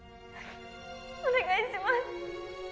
お願いします